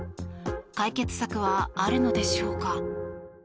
解決策はあるのでしょうか。